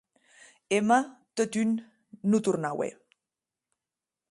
Emma, totun, non tornaue.